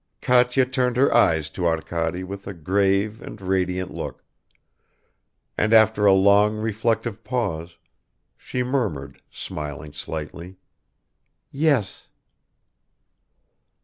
Katya turned her eyes to Arkady with a grave and radiant look, and after a long reflective pause, she murmured, smiling slightly, "Yes."